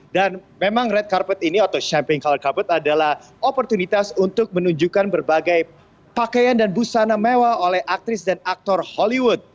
dan memang red carpet ini atau champagne carpet adalah oportunitas untuk menunjukkan berbagai pakaian dan busana mewah oleh aktris dan aktor hollywood